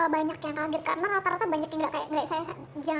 banyak yang kaget karena rata rata banyak yang nggak kayak saya